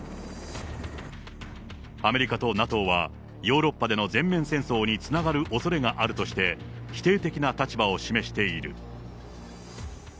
アメリカとＮＡＴＯは、ヨーロッパでの全面戦争につながるおそれがあるとして、否定的な立場を示している。